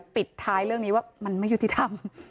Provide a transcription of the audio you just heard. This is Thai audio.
ปิดท้ายเรื่องนี้ว่ามันไม่ยุติธรรม